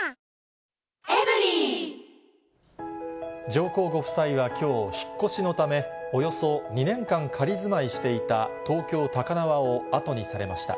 上皇ご夫妻はきょう、引っ越しのため、およそ２年間仮住まいしていた東京・高輪を後にされました。